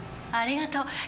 ありがとう。